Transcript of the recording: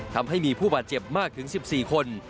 ทำให้มีผู้บาดเจ็บมากถึง๑๔คน